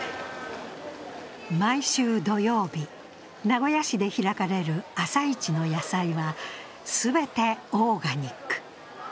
毎週土曜日、名古屋市で開かれる朝市の野菜は全てオーガニック。